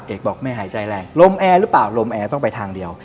เอกบอกไม่หายใจแรงลมแอร์หรือเปล่าลมแอร์ต้องไปทางเดียว